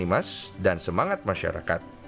program sanimas dan semangat masyarakat